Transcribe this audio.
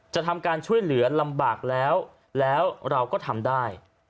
ทำการช่วยเหลือลำบากแล้วแล้วเราก็ทำได้